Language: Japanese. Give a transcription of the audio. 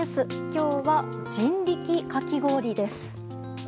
今日は、人力かき氷です。